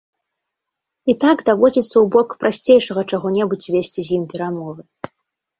І так даводзіцца ў бок прасцейшага чаго-небудзь весці з ім перамовы.